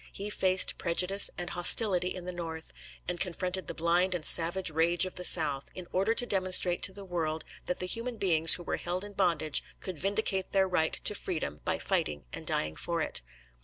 He faced prejudice and hostility in the North, and confronted the blind and savage rage of the South, in order to demonstrate to the world that the human beings who were held in bondage could vindicate their right to freedom by fighting and dying for it.